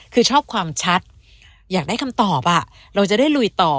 คือชอบความชัดอยากได้คำตอบเราจะได้ลุยต่อ